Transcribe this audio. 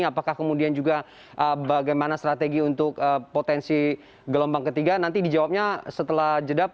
apakah kemudian juga bagaimana strategi untuk potensi gelombang ketiga nanti dijawabnya setelah jeda